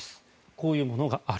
こういうものがある。